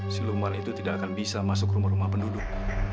si lumar itu tidak akan bisa masuk rumah rumah penduduk